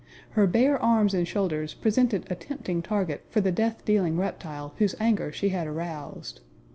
Her bare arms and shoulders presented a tempting target for the death dealing reptile whose anger she had aroused.